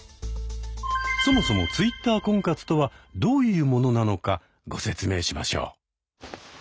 そもそもＴｗｉｔｔｅｒ婚活とはどういうものなのかご説明しましょう。